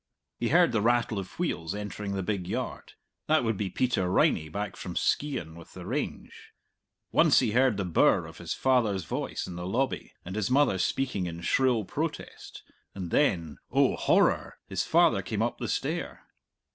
He heard the rattle of wheels entering the big yard; that would be Peter Riney back from Skeighan with the range. Once he heard the birr of his father's voice in the lobby and his mother speaking in shrill protest, and then oh, horror! his father came up the stair.